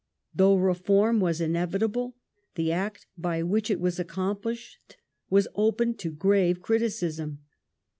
Though reform was inevitable, the Act by which it was accomplished was open to grave criticism.